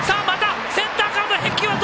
センターからの返球！